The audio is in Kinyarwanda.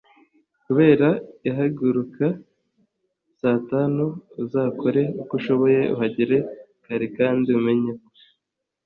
kabera ihaguruka saa tanu. uzakore uko ushoboye uhagere kare kandi umenye ko